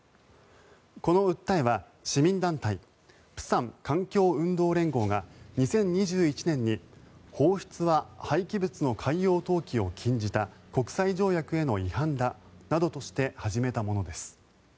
この訴えは市民団体、釜山環境運動連合が２０２１年に放出は廃棄物の海洋投棄を禁じた国際条約への違反だなどとして始めたものです。